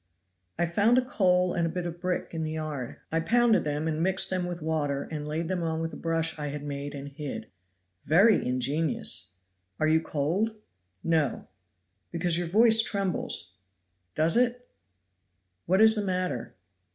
"I found a coal and a bit of brick in the yard. I pounded them and mixed them with water and laid them on with a brush I had made and hid." "Very ingenious! Are you cold?" "No." "Because your voice trembles." "Does it?" "What is the matter?"